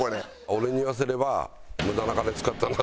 俺に言わせれば無駄な金使ったな。